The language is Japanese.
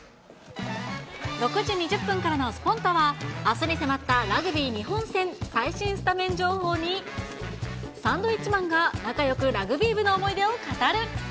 ６時２０分からのスポンタっ！はあすに迫ったラグビー日本戦、最新スタメン情報に、サンドウィッチマンが仲よくラグビー部の思い出を語る。